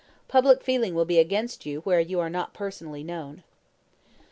Public feeling will be against you where you are not personally known."